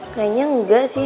kayaknya enggak sih